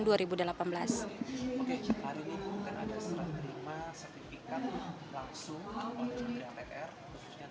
oke hari ini bukan ada serat terima sertifikat langsung oleh menteri apkr khususnya terkait dengan kuntab